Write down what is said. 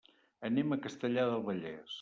Anem a Castellar del Vallès.